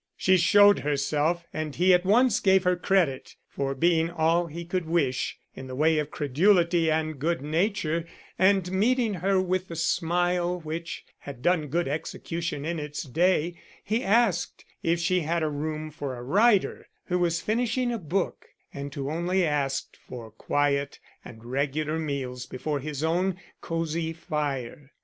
She showed herself and he at once gave her credit for being all he could wish in the way of credulity and good nature, and meeting her with the smile which had done good execution in its day, he asked if she had a room for a writer who was finishing a book, and who only asked for quiet and regular meals before his own cosy fire.